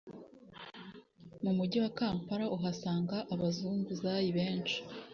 mu mujyi wa Kampala uhasanga abazunguzayi benshi